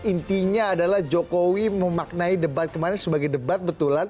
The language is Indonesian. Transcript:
intinya adalah jokowi memaknai debat kemarin sebagai debat betulan